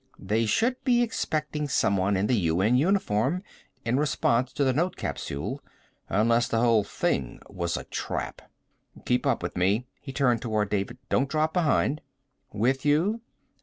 They should be expecting someone in the UN uniform, in response to the note capsule. Unless the whole thing was a trap. "Keep up with me." He turned toward David. "Don't drop behind." "With you?"